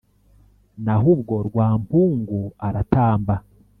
Naho ubwo Rwampungu aratamba!